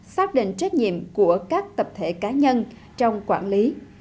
xác định trách nhiệm của các tập thể cá nhân trong quản lý